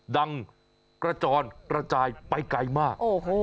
ดังกระจอนกระจายไปไกลมาก